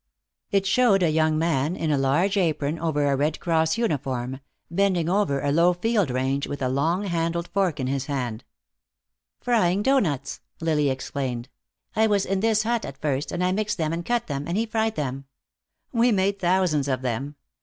It showed a young man, in a large apron over a Red Cross uniform, bending over a low field range with a long handled fork in his hand. "Frying doughnuts," Lily explained. "I was in this hut at first, and I mixed them and cut them, and he fried them. We made thousands of them.